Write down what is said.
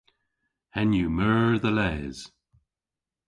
Henn yw meur dhe les.